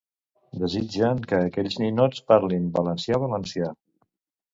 Desitgen que aquells ninots parlin 'valencià-valencià'.